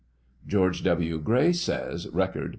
George W. Gray says, (Record, p.